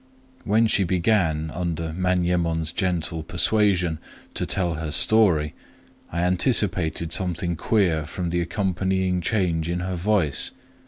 When she began, under Manyemon's gentle persuasion, to tell her story, I anticipated something queer from the accompanying change in her voice.